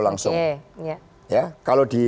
langsung kalau di